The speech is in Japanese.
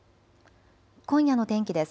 今夜の天気です。